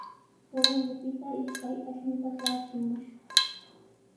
Corongopita ishkay ashnuta traachimushqa.